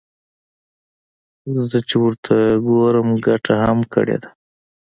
زه چې ورته ګورم ګټه يې هم کړې ده.